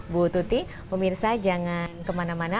bu tuti pemirsa jangan kemana mana